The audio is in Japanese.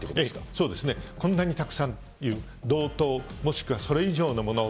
そうですね、こんなにたくさんという、同等、もしくはそれ以上のもの。